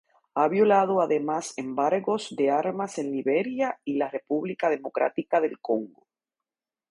Ha violado además embargos de armas en Liberia y la República Democrática del Congo.